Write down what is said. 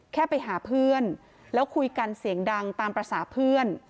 แค่ไปหาเพื่อนแล้วคุยกันเสียงดังตามภาษาเพื่อน